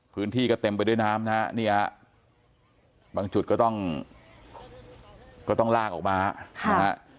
พื้นที่ก็เต็มไปด้วยน้ำนะฮะเนี่ยบางจุดก็ต้องก็ต้องลากออกมานะฮะ